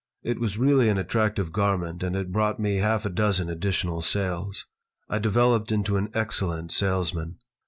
It was really an attractive garment and it brought me half a dozen additional sales. I developed into an excellent salesman.